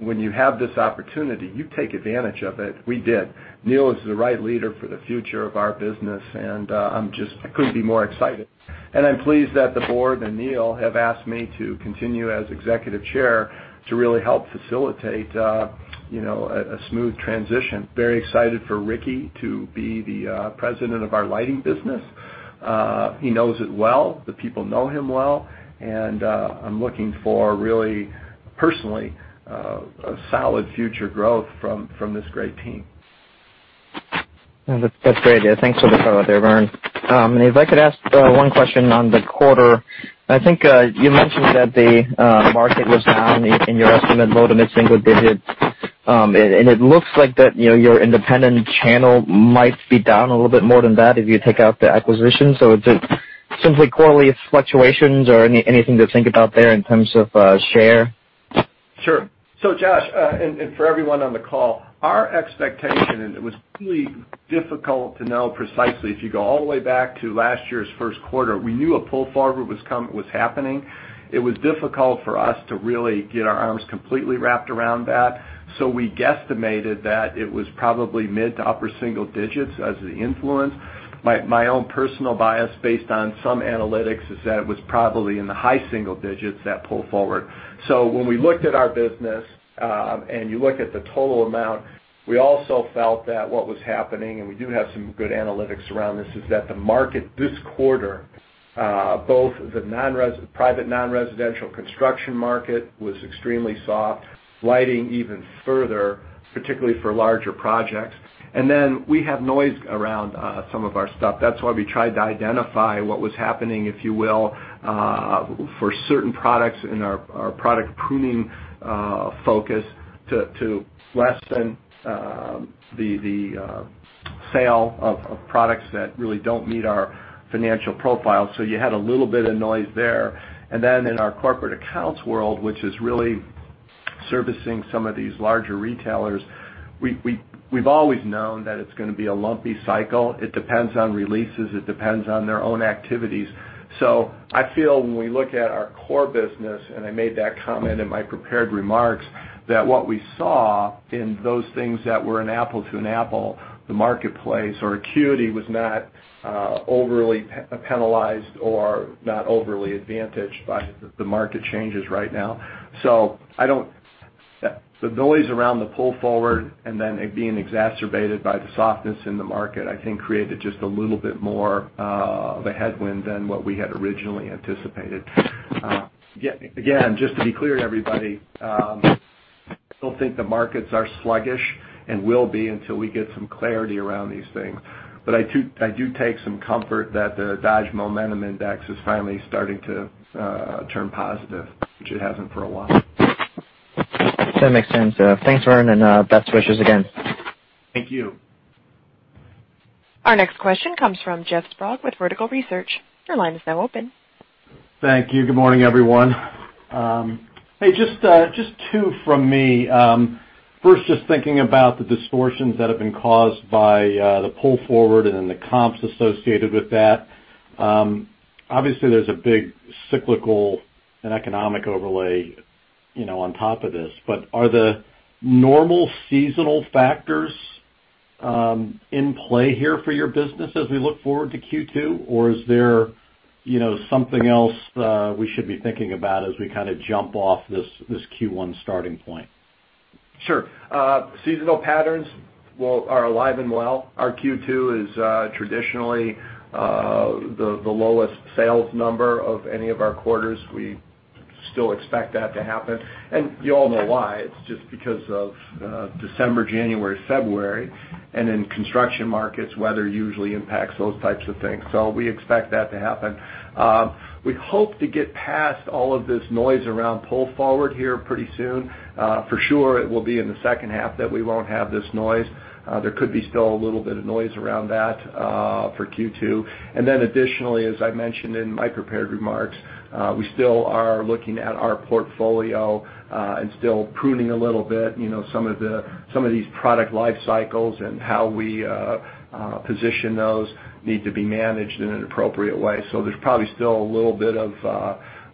when you have this opportunity, you take advantage of it. We did. Neil is the right leader for the future of our business, and I couldn't be more excited. I'm pleased that the board and Neil have asked me to continue as Executive Chair to really help facilitate a smooth transition. Very excited for Ricky to be the President of our lighting business. He knows it well. The people know him well, and I'm looking for, really personally, a solid future growth from this great team. That's great. Thanks for the color there, Vernon. If I could ask one question on the quarter. I think you mentioned that the market was down in your estimate, low to mid single digits. It looks like that your independent channel might be down a little bit more than that if you take out the acquisition. Is it simply quarterly fluctuations or anything to think about there in terms of share? Sure. Joshua Kai Shun Chan, and for everyone on the call, our expectation, and it was really difficult to know precisely if you go all the way back to last year's first quarter. We knew a pull forward was happening. It was difficult for us to really get our arms completely wrapped around that. We guesstimated that it was probably mid to upper single digits as the influence. My own personal bias, based on some analytics, is that it was probably in the high single digits, that pull forward. When we looked at our business, and you look at the total amount, we also felt that what was happening, and we do have some good analytics around this, is that the market this quarter, both the private non-residential construction market was extremely soft, lighting even further, particularly for larger projects. Then we have noise around some of our stuff. That's why we tried to identify what was happening, if you will, for certain products in our product pruning focus to lessen the sale of products that really don't meet our financial profile. You had a little bit of noise there. In our corporate accounts world, which is really servicing some of these larger retailers, we've always known that it's going to be a lumpy cycle. It depends on releases, it depends on their own activities. I feel when we look at our core business, and I made that comment in my prepared remarks, that what we saw in those things that were an apple to an apple, the marketplace or Acuity was not overly penalized or not overly advantaged by the market changes right now. The noise around the pull forward and then it being exacerbated by the softness in the market, I think created just a little bit more of a headwind than what we had originally anticipated. Again, just to be clear to everybody, still think the markets are sluggish and will be until we get some clarity around these things. I do take some comfort that the Dodge Momentum Index is finally starting to turn positive, which it hasn't for a while. That makes sense. Thanks, Vernon, and best wishes again. Thank you. Our next question comes from Jeff Sprague with Vertical Research. Your line is now open. Thank you. Good morning, everyone. Hey, just two from me. First, just thinking about the distortions that have been caused by the pull forward and then the comps associated with that. Obviously, there's a big cyclical and economic overlay on top of this, but are the normal seasonal factors in play here for your business as we look forward to Q2? Is there something else we should be thinking about as we kind of jump off this Q1 starting point? Sure. Seasonal patterns are alive and well. Our Q2 is traditionally the lowest sales number of any of our quarters. We still expect that to happen. You all know why. It's just because of December, January, February, and in construction markets, weather usually impacts those types of things. We expect that to happen. We hope to get past all of this noise around pull forward here pretty soon. For sure, it will be in the second half that we won't have this noise. There could be still a little bit of noise around that for Q2. Additionally, as I mentioned in my prepared remarks, we still are looking at our portfolio, and still pruning a little bit. Some of these product life cycles and how we position those need to be managed in an appropriate way. There's probably still a little bit of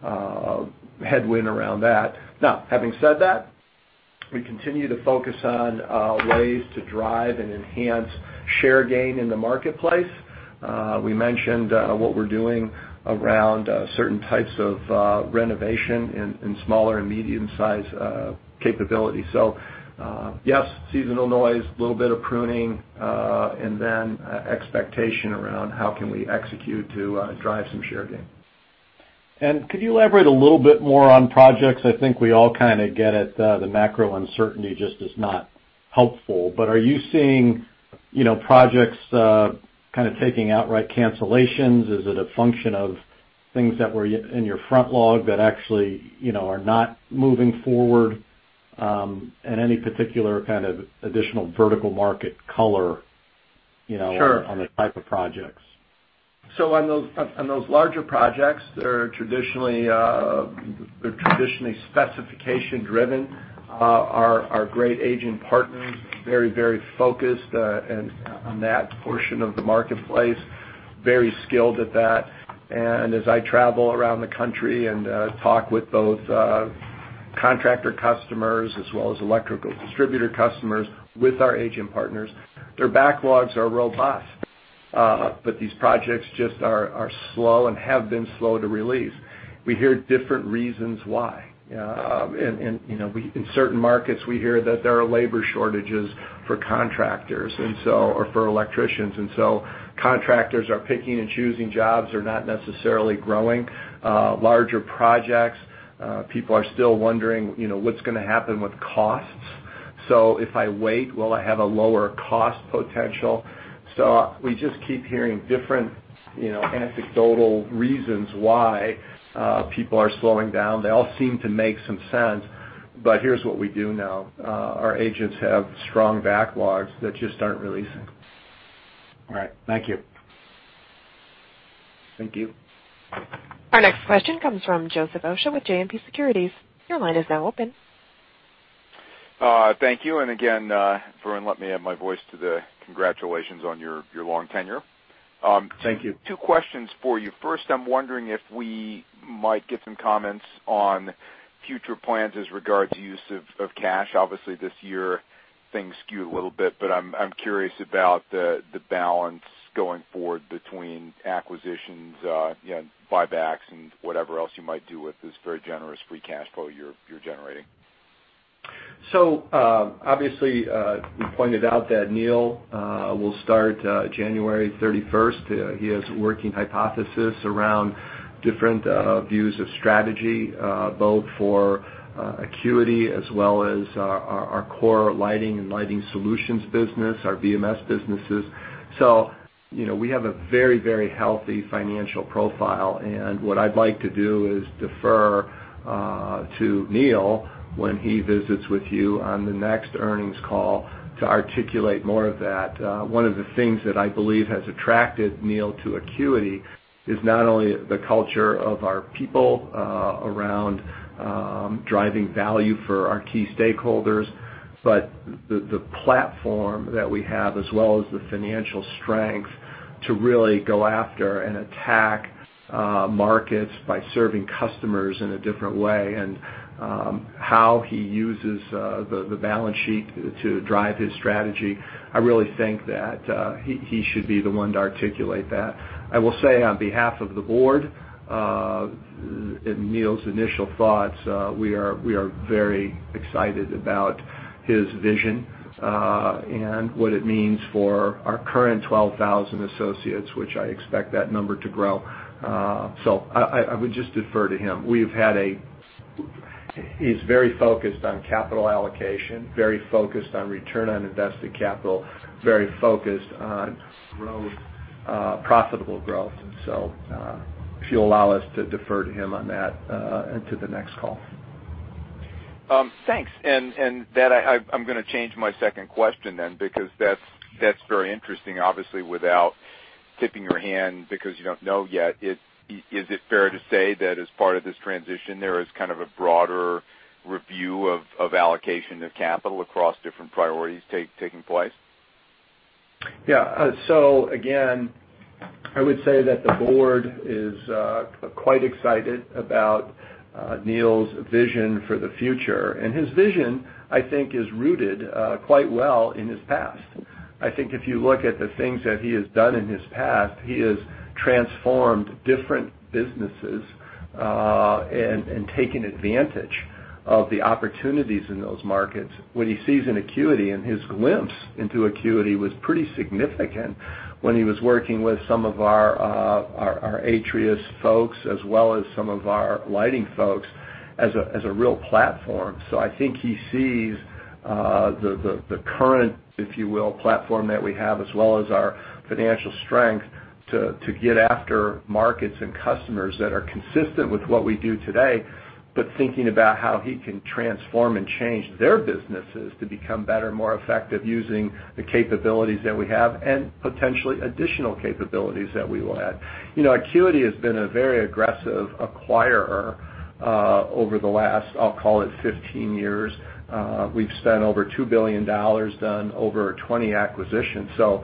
a headwind around that. Now, having said that, we continue to focus on ways to drive and enhance share gain in the marketplace. We mentioned what we're doing around certain types of renovation in smaller and medium-sized capabilities. Yes, seasonal noise, little bit of pruning, and then expectation around how can we execute to drive some share gain. Could you elaborate a little bit more on projects? I think we all kind of get it, the macro uncertainty just is not helpful. Are you seeing projects kind of taking outright cancellations? Is it a function of things that were in your front log that actually are not moving forward? Any particular kind of additional vertical market color? Sure on the type of projects. On those larger projects, they're traditionally specification-driven. Our great agent partners, very focused on that portion of the marketplace, very skilled at that. As I travel around the country and talk with both contractor customers as well as electrical distributor customers with our agent partners, their backlogs are robust. These projects just are slow and have been slow to release. We hear different reasons why. In certain markets, we hear that there are labor shortages for contractors or for electricians, and so contractors are picking and choosing jobs. They're not necessarily growing larger projects. People are still wondering what's going to happen with costs. If I wait, will I have a lower cost potential? We just keep hearing different anecdotal reasons why people are slowing down. They all seem to make some sense, but here's what we do know. Our agents have strong backlogs that just aren't releasing. All right. Thank you. Thank you. Our next question comes from Joseph Osha with JMP Securities. Your line is now open. Thank you, and again, Vernon, let me add my voice to the congratulations on your long tenure. Thank you. Two questions for you. First, I'm wondering if we might get some comments on future plans as regard to use of cash. Obviously, this year, things skewed a little bit, I'm curious about the balance going forward between acquisitions, buybacks and whatever else you might do with this very generous free cash flow you're generating. Obviously, we pointed out that Neil will start January 31st. He has a working hypothesis around different views of strategy, both for Acuity as well as our core lighting and lighting solutions business, our BMS businesses. We have a very healthy financial profile, and what I'd like to do is defer to Neil when he visits with you on the next earnings call to articulate more of that. One of the things that I believe has attracted Neil to Acuity is not only the culture of our people around driving value for our key stakeholders, but the platform that we have, as well as the financial strength to really go after and attack markets by serving customers in a different way. How he uses the balance sheet to drive his strategy, I really think that he should be the one to articulate that. I will say on behalf of the board, in Neil's initial thoughts, we are very excited about his vision, and what it means for our current 12,000 associates, which I expect that number to grow. I would just defer to him. He's very focused on capital allocation, very focused on return on invested capital, very focused on profitable growth. If you'll allow us to defer to him on that until the next call. Thanks. I'm going to change my second question then, because that's very interesting. Obviously, without tipping your hand, because you don't know yet, is it fair to say that as part of this transition, there is kind of a broader review of allocation of capital across different priorities taking place? Yeah. Again, I would say that the board is quite excited about Neil's vision for the future, and his vision, I think, is rooted quite well in his past. I think if you look at the things that he has done in his past, he has transformed different businesses, and taken advantage of the opportunities in those markets. What he sees in Acuity, and his glimpse into Acuity was pretty significant when he was working with some of our Atrius folks, as well as some of our lighting folks as a real platform. I think he sees the current, if you will, platform that we have, as well as our financial strength to get after markets and customers that are consistent with what we do today. Thinking about how he can transform and change their businesses to become better, more effective, using the capabilities that we have and potentially additional capabilities that we will add. Acuity has been a very aggressive acquirer over the last, I'll call it 15 years. We've spent over $2 billion, done over 20 acquisitions. No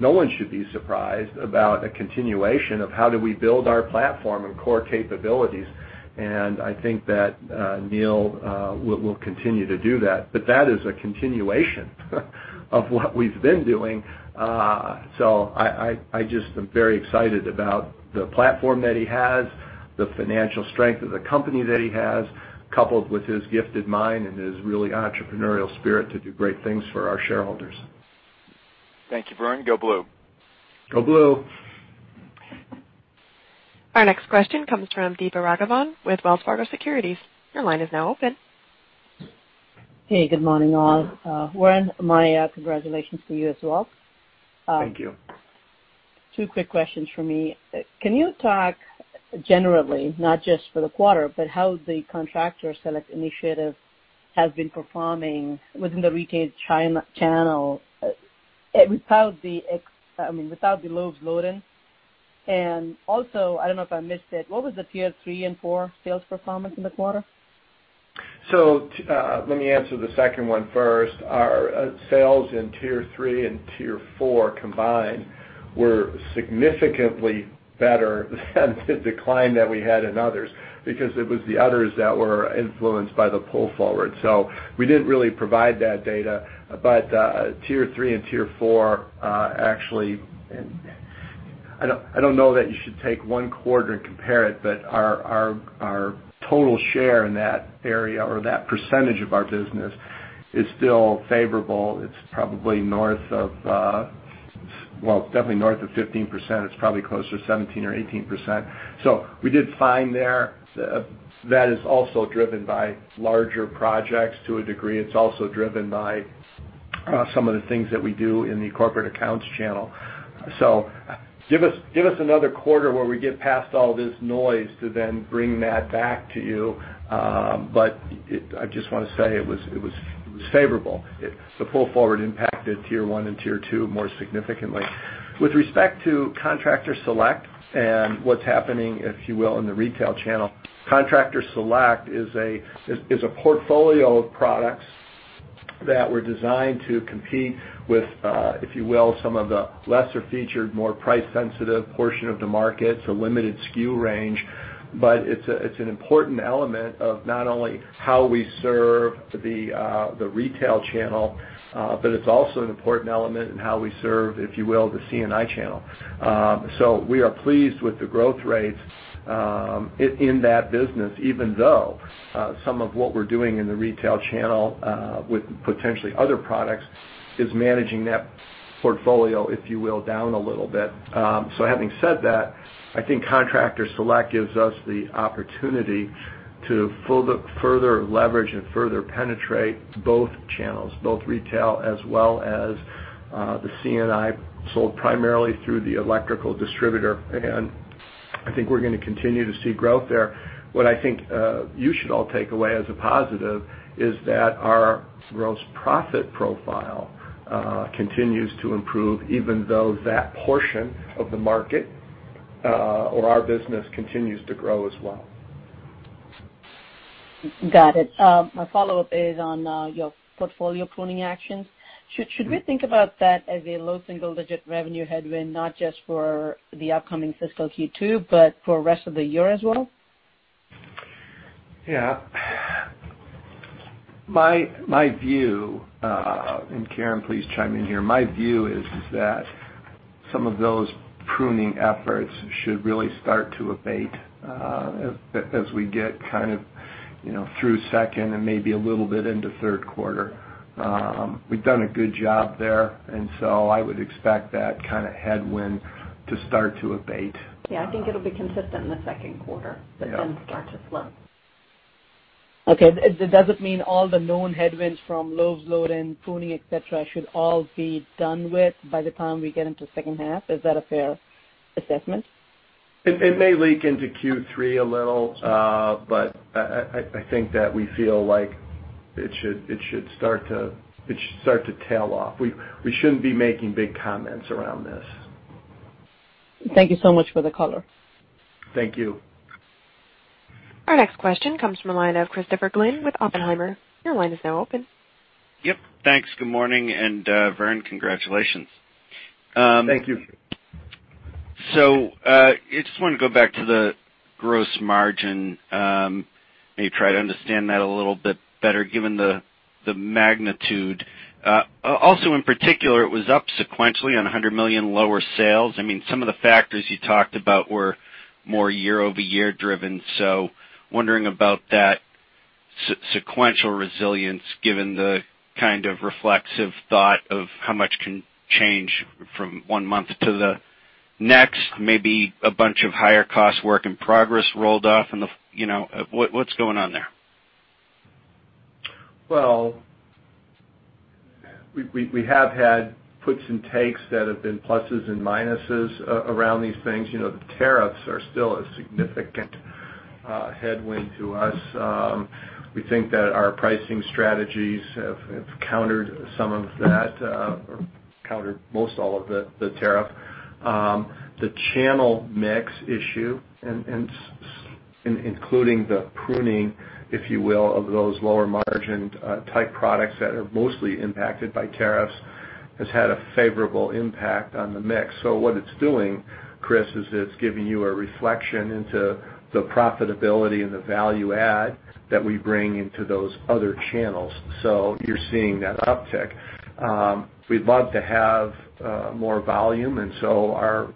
one should be surprised about a continuation of how do we build our platform and core capabilities. I think that Neil will continue to do that. That is a continuation of what we've been doing. I just am very excited about the platform that he has, the financial strength of the company that he has, coupled with his gifted mind and his really entrepreneurial spirit to do great things for our shareholders. Thank you, Vernon. Go blue. Go blue. Our next question comes from Deepa Raghavan with Wells Fargo Securities. Your line is now open. Hey, good morning, all. Vernon, my congratulations to you as well. Thank you. Two quick questions from me. Can you talk generally, not just for the quarter, but how the Contractor Select initiative has been performing within the retail channel without the Lowe's load-in? I don't know if I missed it, what was the tier 3 and tier 4 sales performance in the quarter? Let me answer the second one first. Our sales in tier 3 and tier 4 combined were significantly better than the decline that we had in others, because it was the others that were influenced by the pull forward. We didn't really provide that data, but tier 3 and tier 4, actually, I don't know that you should take one quarter and compare it, but our total share in that area or that percentage of our business is still favorable. It's probably north of 15%. It's probably closer to 17% or 18%. We did fine there. That is also driven by larger projects to a degree. It's also driven by some of the things that we do in the corporate accounts channel. Give us another quarter where we get past all this noise to then bring that back to you. I just want to say it was favorable. The pull forward impacted tier 1 and tier 2 more significantly. With respect to Contractor Select and what's happening, if you will, in the retail channel, Contractor Select is a portfolio of products that were designed to compete with, if you will, some of the lesser featured, more price sensitive portion of the market. It's a limited SKU range. It's an important element of not only how we serve the retail channel, but it's also an important element in how we serve, if you will, the C&I channel. We are pleased with the growth rates in that business, even though some of what we're doing in the retail channel, with potentially other products, is managing that portfolio, if you will, down a little bit. Having said that, I think Contractor Select gives us the opportunity to further leverage and further penetrate both channels, both retail as well as the C&I, sold primarily through the electrical distributor. I think we're going to continue to see growth there. What I think you should all take away as a positive is that our gross profit profile continues to improve, even though that portion of the market or our business continues to grow as well. Got it. My follow-up is on your portfolio pruning actions. Should we think about that as a low single-digit revenue headwind, not just for the upcoming fiscal Q2, but for rest of the year as well? Yeah. Karen, please chime in here. My view is that some of those pruning efforts should really start to abate as we get kind of through second and maybe a little bit into third quarter. We've done a good job there, I would expect that kind of headwind to start to abate. Yeah, I think it'll be consistent in the second quarter. Yeah start to slow. Okay. Does it mean all the known headwinds from Lowe's load-in, pruning, et cetera, should all be done with by the time we get into second half? Is that a fair assessment? It may leak into Q3 a little, but I think that we feel like it should start to tail off. We shouldn't be making big comments around this. Thank you so much for the color. Thank you. Our next question comes from the line of Christopher Glynn with Oppenheimer. Your line is now open. Yep. Thanks. Good morning. Vernon, congratulations. Thank you. I just want to go back to the gross margin, maybe try to understand that a little bit better given the magnitude. In particular, it was up sequentially on $100 million lower sales. Some of the factors you talked about were more year-over-year driven. Wondering about that sequential resilience given the kind of reflexive thought of how much can change from one month to the next. Maybe a bunch of higher cost work in progress rolled off? What is going on there? We have had puts and takes that have been pluses and minuses around these things. The tariffs are still a significant headwind to us. We think that our pricing strategies have countered some of that, or countered most all of the tariff. The channel mix issue, including the pruning, if you will, of those lower margined type products that are mostly impacted by tariffs, has had a favorable impact on the mix. What it's doing, Chris, is it's giving you a reflection into the profitability and the value add that we bring into those other channels. You're seeing that uptick. We'd love to have more volume, our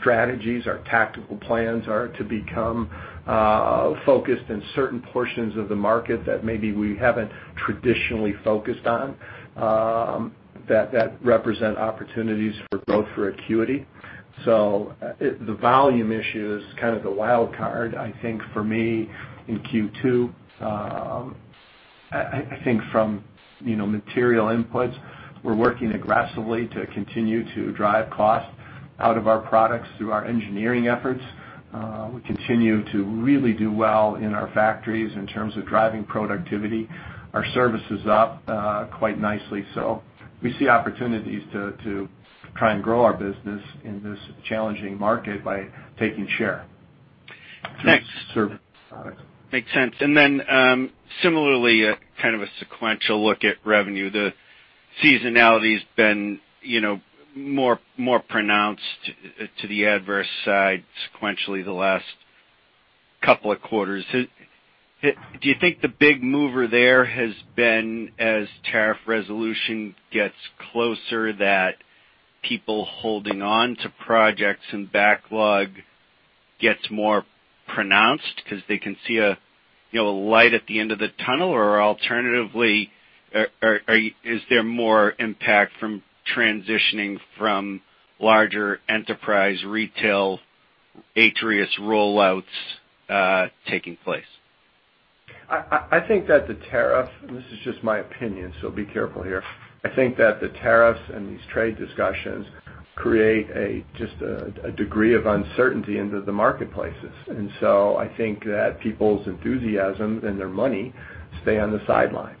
strategies, our tactical plans are to become focused in certain portions of the market that maybe we haven't traditionally focused on, that represent opportunities for growth for Acuity. The volume issue is kind of the wild card, I think, for me in Q2. I think from material inputs, we're working aggressively to continue to drive cost out of our products through our engineering efforts. We continue to really do well in our factories in terms of driving productivity. Our service is up quite nicely. We see opportunities to try and grow our business in this challenging market by taking share. Makes sense. Similarly, kind of a sequential look at revenue. The seasonality's been more pronounced to the adverse side sequentially the last couple of quarters. Do you think the big mover there has been as tariff resolution gets closer, that people holding on to projects and backlog gets more pronounced because they can see a light at the end of the tunnel? Is there more impact from transitioning from larger enterprise retail Atrius rollouts taking place? I think that the tariff, and this is just my opinion, so be careful here. I think that the tariffs and these trade discussions create just a degree of uncertainty into the marketplaces. I think that people's enthusiasm and their money stay on the sidelines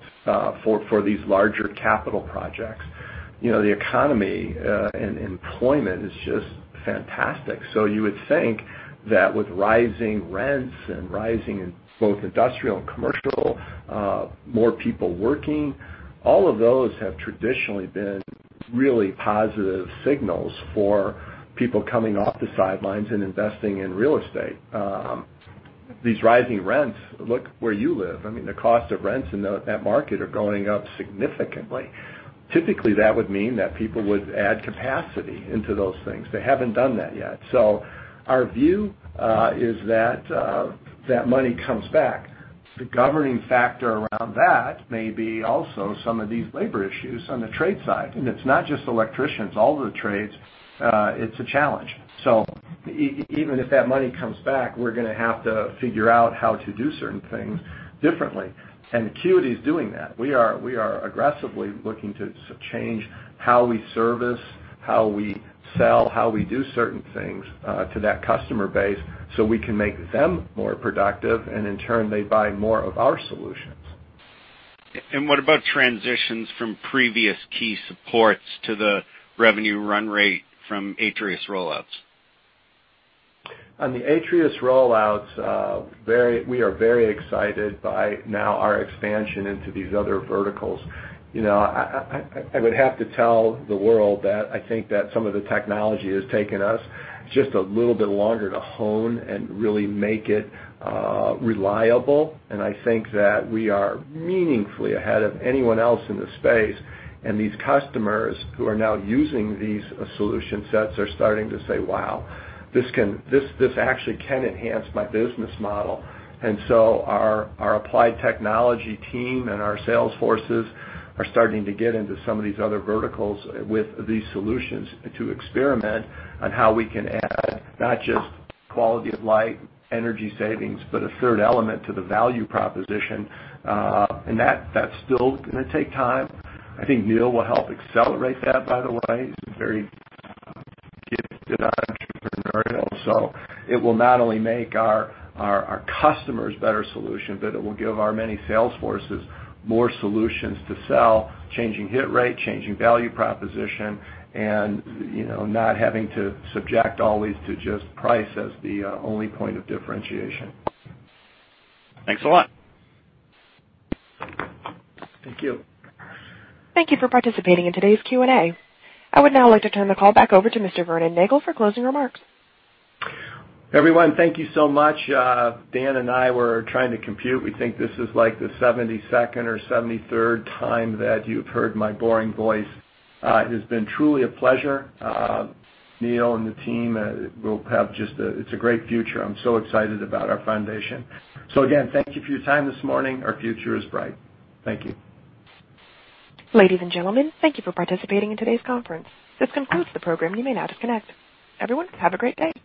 for these larger capital projects. The economy and employment is just fantastic. You would think that with rising rents and rising in both industrial and commercial, more people working, all of those have traditionally been really positive signals for people coming off the sidelines and investing in real estate. These rising rents, look where you live. The cost of rents in that market are going up significantly. Typically, that would mean that people would add capacity into those things. They haven't done that yet. Our view is that money comes back. The governing factor around that may be also some of these labor issues on the trade side, and it's not just electricians, all of the trades, it's a challenge. Even if that money comes back, we're going to have to figure out how to do certain things differently. Acuity's doing that. We are aggressively looking to change how we service, how we sell, how we do certain things to that customer base so we can make them more productive. In turn, they buy more of our solutions. What about transitions from previous key supports to the revenue run rate from Atrius rollouts? On the Atrius rollouts, we are very excited by now our expansion into these other verticals. I would have to tell the world that I think that some of the technology has taken us just a little bit longer to hone and really make it reliable, and I think that we are meaningfully ahead of anyone else in this space, and these customers who are now using these solution sets are starting to say, "Wow, this actually can enhance my business model." Our applied technology team and our sales forces are starting to get into some of these other verticals with these solutions to experiment on how we can add not just quality of light, energy savings, but a third element to the value proposition, and that's still going to take time. I think Neil will help accelerate that, by the way. He's very gifted on entrepreneurial, so it will not only make our customers' better solution, but it will give our many sales forces more solutions to sell, changing hit rate, changing value proposition, and not having to subject always to just price as the only point of differentiation. Thanks a lot. Thank you. Thank you for participating in today's Q&A. I would now like to turn the call back over to Mr. Vernon Nagel for closing remarks. Everyone, thank you so much. Dan and I were trying to compute. We think this is like the 72nd or 73rd time that you've heard my boring voice. It has been truly a pleasure. Neil and the team will have just a great future. I'm so excited about our foundation. Again, thank you for your time this morning. Our future is bright. Thank you. Ladies and gentlemen, thank you for participating in today's conference. This concludes the program. You may now disconnect. Everyone, have a great day.